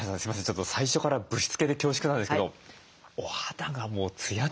ちょっと最初からぶしつけで恐縮なんですけどお肌がもうツヤツヤでいらっしゃって。